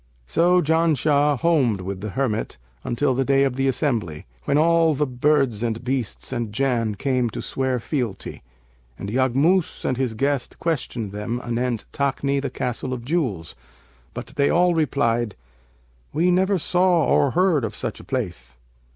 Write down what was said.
So Janshah homed with the hermit, until the day of the assembly, when all the birds and beasts and Jann came to swear fealty; and Yaghmus and his guest questioned them anent Takni, the Castle of Jewels; but they all replied, 'We never saw or heard of such a place.'